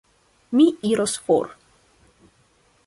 Mi iros for.